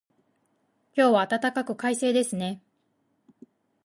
今日は暖かく、快晴ですね。